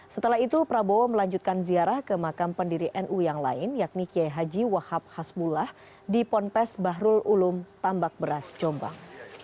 setelah itu prabowo melanjutkan ziarah ke makam pendiri nu yang lain yakni kiai haji wahab hasbullah di ponpes bahrul ulum tambak beras jombang